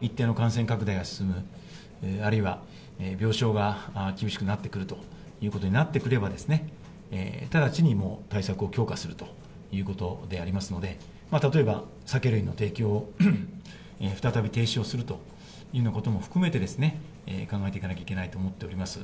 一定の感染拡大が進む、あるいは病床が厳しくなってくるということになってくればですね、直ちに、対策を強化するということでありますので、例えば、酒類の提供を再び停止をするというようなことも含めてですね、考えていかなきゃいけないと思っております。